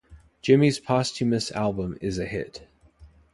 Jimmy's posthumous album is a hit.